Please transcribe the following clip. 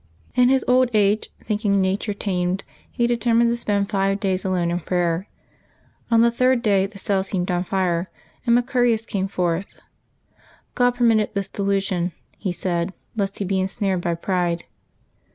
In liis old age, thinking nature tamed, he detemiined to spend five days alone in prayer. On the third day the cell seemed on fire, and Maearius came forth. God permitted this delusion, he said, lest he be ensnared by pride.